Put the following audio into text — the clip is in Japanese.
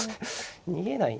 逃げない。